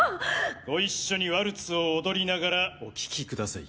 ご一緒にワルツを踊りながらお聴きください。